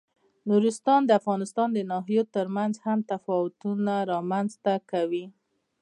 نورستان د افغانستان د ناحیو ترمنځ مهم تفاوتونه رامنځ ته کوي.